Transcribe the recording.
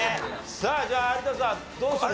さあじゃあ有田さんどうする？